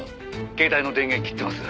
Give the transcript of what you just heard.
「携帯の電源切ってます。